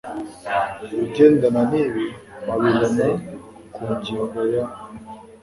[Ibigendana n’ibi wabibona ku ngingo ya